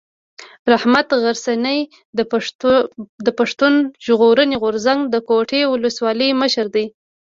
رحمت غرڅنی د پښتون ژغورني غورځنګ د کوټي اولسوالۍ مشر دی.